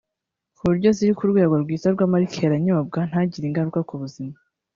kuburyo ziri ku rwego rwiza rw’amalikeri anyobwa ntagire ingaruka ku buzima